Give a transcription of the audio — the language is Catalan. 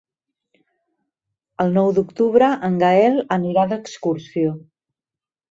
El nou d'octubre en Gaël anirà d'excursió.